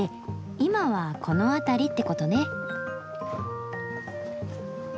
今はこの辺りってことね。